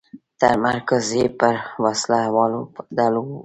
تمرکز یې پر وسله والو ډلو و.